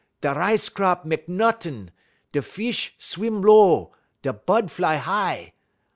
Da rice crop mek nuttin'; da fish swim low; da bud fly high.